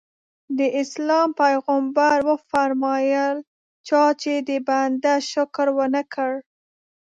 د اسلام پیغمبر وفرمایل چا چې د بنده شکر ونه کړ.